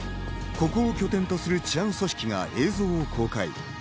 ここを拠点とする治安組織が映像を公開。